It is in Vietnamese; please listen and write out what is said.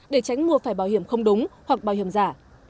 để tránh mua phải bảo hiểm không đúng hoặc bảo hiểm giả